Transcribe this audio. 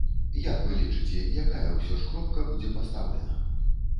Як вы лічыце, якая ўсё ж кропка будзе пастаўлена?